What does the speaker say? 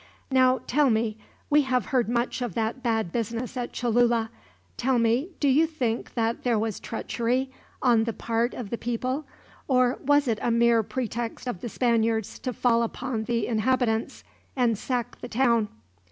"Now, tell me we have heard much of that bad business at Cholula tell me, do you think that there was treachery on the part of the people, or was it a mere pretext of the Spaniards to fall upon the inhabitants, and sack the town?"